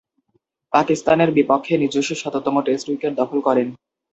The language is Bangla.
পাকিস্তানের বিপক্ষে নিজস্ব শততম টেস্ট উইকেট দখল করেন।